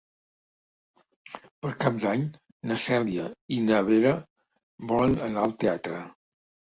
Per Cap d'Any na Cèlia i na Vera volen anar al teatre.